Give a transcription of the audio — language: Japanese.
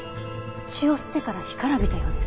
血を吸ってから干からびたようです。